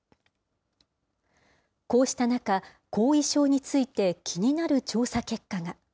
こうした中、後遺症について気になる調査結果が。